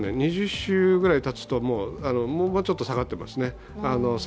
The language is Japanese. ２０週くらいたつと、もうちょっと下がっていますね。